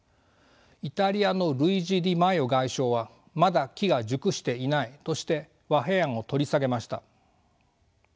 イタリアのルイジ・ディマイオ外相はまだ機が熟していないとして和平案を取り下げました。